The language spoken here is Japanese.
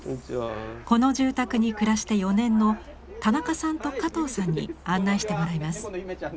この住宅に暮らして４年の田中さんと加藤さんに案内してもらいます。